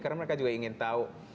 karena mereka juga ingin tahu